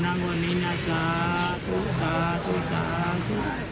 สวัสดีครับสวัสดีครับ